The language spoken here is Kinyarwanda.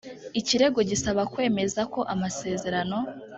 ikirego gisaba kwemeza ko amasezerano